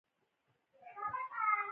د نارينه مسجد ته تلل لازمي دي.